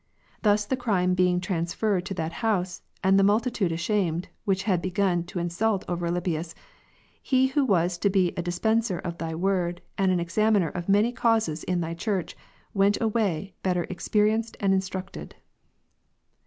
Thus the crime being transferred to that house, and the multitude ashamed, which had begun to insult over Alypius, he who was to be a dispenser of Thy Word, and an examiner of many causes in Thy Church'', went away better exjierienced and instructed.